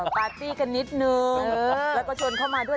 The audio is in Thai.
ปาร์ตี้กันนิดนึงแล้วก็ชนเข้ามาด้วย